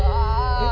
えっ？